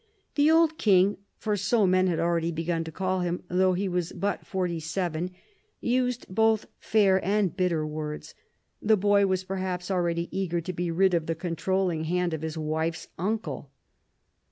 The old king — for so men already began to call him, though he was but forty seven — used both fair and bitter words. The boy was perhaps already eager to be rid of the controlling hand of his wife's uncle.